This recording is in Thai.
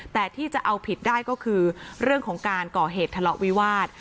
แต่ที่จะเอาผิดได้ก็คือเรื่องของการก่อเหตุทะเลาะวิวาส